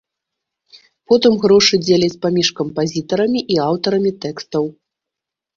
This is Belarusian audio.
Потым грошы дзеляць паміж кампазітарамі і аўтарамі тэкстаў.